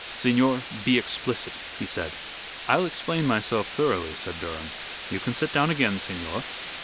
"Signor, be explicit," he said. "I'll explain myself thoroughly," said Durham. "You can sit down again, signor.